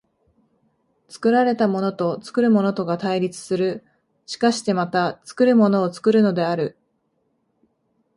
作られたものと作るものとが対立する、しかしてまた作るものを作るのである。